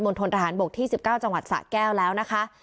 ทนทหารบกที่๑๙จังหวัดสะแก้วแล้วนะคะ